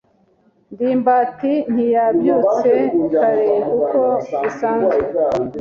ndimbati ntiyabyutse kare nkuko bisanzwe.